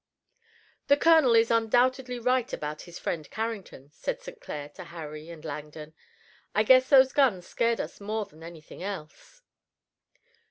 "The colonel is undoubtedly right about his friend Carrington," said St. Clair to Harry and Langdon. "I guess those guns scared us more than anything else."